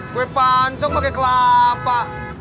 kue pancong pakai kelapa